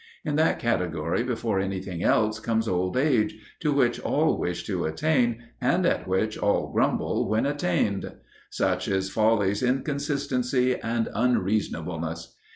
In that category before anything else comes old age, to which all wish to attain, and at which all grumble when attained. Such is Folly's inconsistency and unreasonableness!